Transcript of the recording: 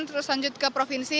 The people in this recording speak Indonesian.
terus lanjut ke provinsi